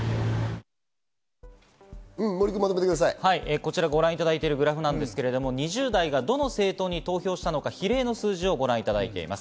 こちらご覧いただいているグラフですが、２０代がどの政党に投票したのか、ご覧いただいています。